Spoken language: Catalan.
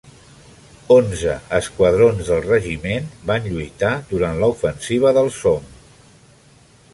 Onze esquadrons del regiment van lluitar durant la ofensiva del Somme.